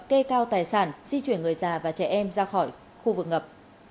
kê cao tài sản di chuyển người già và trẻ em ra khỏi khu vực ngập